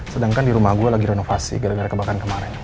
sedangkan di rumah gue lagi renovasi gara gara kebakaran kemarin